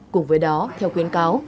cùng với đó theo khuyến cáo